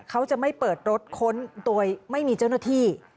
เขาจะไม่เปิดรถค้นโดยไม่มีเจ้าหน้าที่